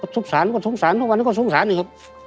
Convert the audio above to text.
สงสารก็สงสารเพราะวันนั้นก็สงสารเลยครับ